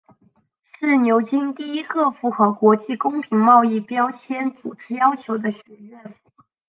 是牛津第一个符合国际公平贸易标签组织要求的学院。